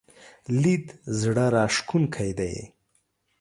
لید زړه راښکونکی دی.